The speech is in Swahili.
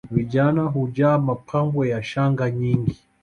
Vijana hujaa mapambo ya shanga nyingi